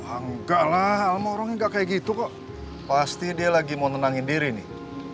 enggak lah almarhum gak kayak gitu kok pasti dia lagi mau nenangin diri nih